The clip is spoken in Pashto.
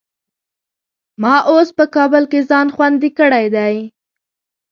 ما اوس په کابل کې ځان خوندي کړی دی.